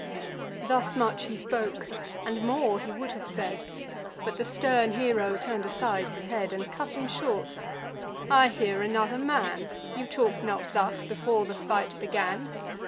Thus much he spoke, and more he would have said; But the stern hero turn'd aside his head, And cut him short: "I hear another man; You talk'd not thus before the fight began.